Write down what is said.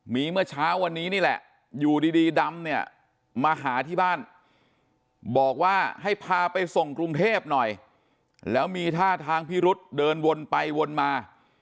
มีเมื่อเช้าวันนี้นี่แหละอยู่ดีดำเนี่ยมาหาที่บ้านบอกว่าให้พาไปส่งกรุงเทพหน่อยแล้วมีท่าทางพิรุษเดินวนไปวนมา